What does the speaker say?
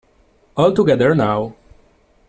All together now.